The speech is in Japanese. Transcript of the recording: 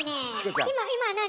今何？